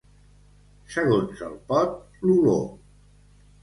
Segons el pot, l'olor.